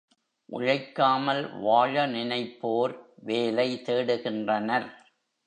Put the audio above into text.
உழைக்காமல் வாழ நினைப்போர் வேலை தேடுகின்றனர்.